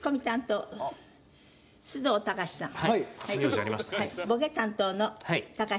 はい。